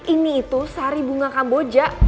ini itu sari bunga kamboja